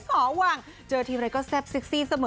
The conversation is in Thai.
สอวังเจอทีไรก็แซ่บเซ็กซี่เสมอ